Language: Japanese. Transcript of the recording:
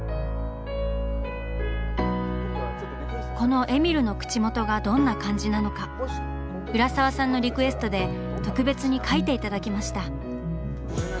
このえみるの口元がどんな感じなのか浦沢さんのリクエストで特別に描いていただきました。